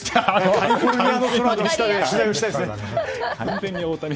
カリフォルニアの空の下で取材をしたいですね。